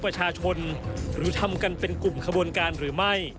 ประชาชนหรือทำกันเป็นกลุ่มขบวนการหรือไม่